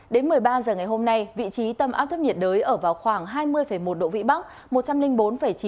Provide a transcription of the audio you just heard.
đến một mươi ba giờ ngày hôm nay vị trí tâm áp thấp nhiệt đới ở vào khoảng hai mươi một độ vĩ bắc